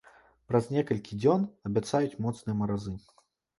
Праз некалькі дзён абяцаюць моцныя маразы.